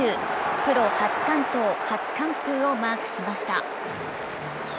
プロ初完投、初完封をマークしました。